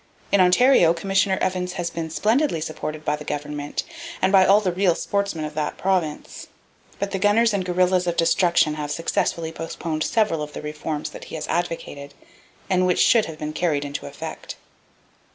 In Ontario, Commissioner Evans has been splendidly supported by the Government, and by all the real sportsmen of that province; but the gunners and guerrillas of destruction have successfully postponed several of the reforms that he has advocated, and which should have been carried into effect.